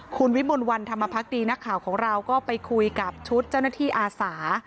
คุณวิมลวันธรรมพักดีนักข่าวของเราก็ไปคุยกับชุดเจ้าหน้าที่อาสา